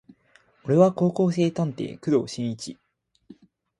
俺は高校生探偵工藤新一